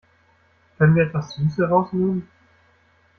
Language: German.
Können wir etwas Süße rausnehmen?